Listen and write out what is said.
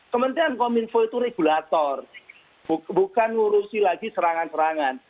kementerian kominfo itu regulator bukan ngurusi lagi serangan serangan